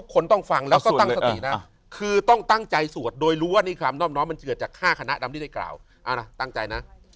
กรรมใดสวด์โดยรู้ว่านี่คำน้อมน้อมมันเจือดจาก๕คณะนำที่ได้กล่าวอ้าวนะตั้งใจนะ